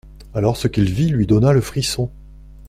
Alors ce qu'il vit lui donna le frisson.